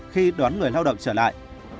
khi đón người lao động trở lại